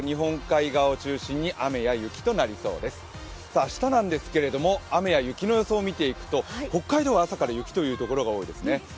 明日なんですけども、雨や雪の予想を見ていくと、北海道は朝から雪というところが多いですね。